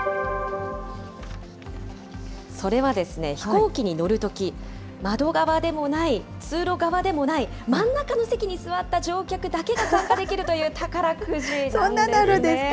それはですね、飛行機に乗るとき、窓側でもない、通路側でもない真ん中の席に座った乗客だけが参加できるという宝そんなのあるんですか。